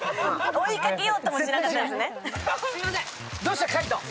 追いかけようとしなかったですね。